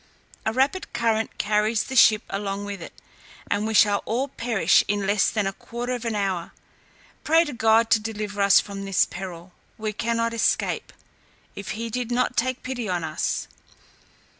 "A rapid current carries the ship along with it, and we shall all perish in less than a quarter of an hour. Pray to God to deliver us from this peril; we cannot escape, if he do not take pity on us."